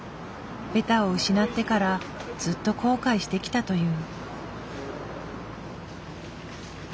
ベタを失ってからずっと後悔してきたという。